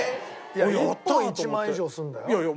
いや１本１万以上するんだよ。